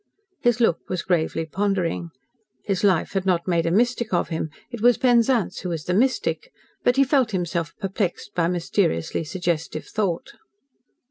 His look was gravely pondering. His life had not made a mystic of him it was Penzance who was the mystic but he felt himself perplexed by mysteriously suggestive thought.